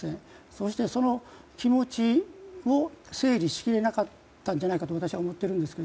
そして、その気持ちを整理しきれなかったんじゃないかと私は思っているんですが。